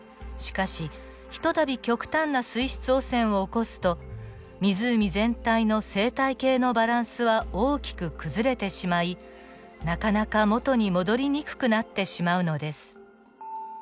しかし一たび極端な水質汚染を起こすと湖全体の生態系のバランスは大きく崩れてしまいなかなか元に戻りにくくなってしまうのです。